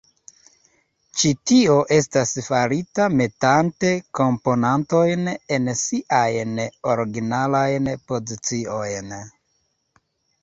Ĉi tio estas farita metante komponantojn en siajn originalajn poziciojn.